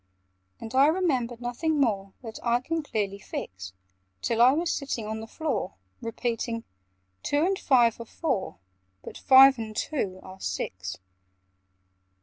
And I remember nothing more That I can clearly fix, Till I was sitting on the floor, Repeating "Two and five are four, But five and two are six."